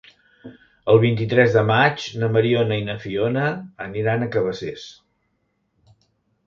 El vint-i-tres de maig na Mariona i na Fiona aniran a Cabacés.